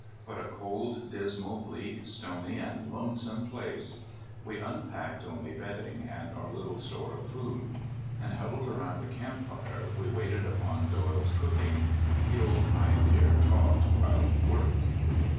What a cold, dismal, bleak, stony, and lonesome place! We unpacked only bedding, and our little store of food. And huddled around the camp fire we waited upon Doyle's cooking. The old pioneer talked while he worked.